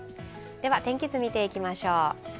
では天気図見ていきましょう。